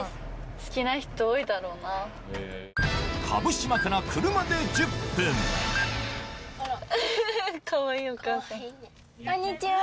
蕪島から車で１０分こんにちは！